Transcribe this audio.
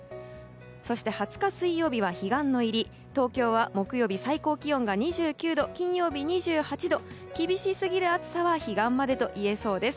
そして２０日水曜日は彼岸の入り東京は木曜日最高気温が２９度金曜日、２８度厳しすぎる暑さは彼岸までといえそうです。